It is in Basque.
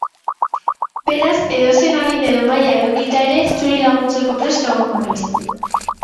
Beraz, edozein adin edo maila edukita ere, zuri laguntzeko prest egongo naiz.